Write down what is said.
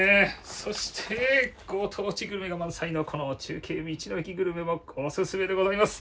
そして、ご当地グルメが満載のこの中継、道の駅グルメもおすすめでございます。